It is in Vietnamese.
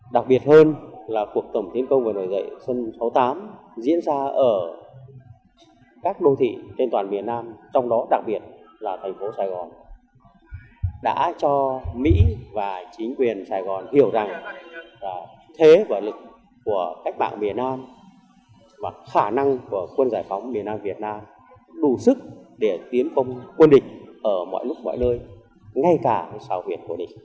đặc biệt hơn là cuộc tổng tiến công về nổi dậy sân sáu mươi tám diễn ra ở các đô thị trên toàn miền nam trong đó đặc biệt là thành phố sài gòn đã cho mỹ và chính quyền sài gòn hiểu rằng là thế và lực của các bạn miền nam và khả năng của quân giải phóng miền nam việt nam đủ sức để tiến công quân địch ở mọi lúc mọi nơi ngay cả xào huyệt của địch